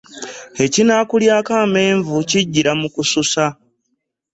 Ekinaakulyako amenvu kijjira mu kususa.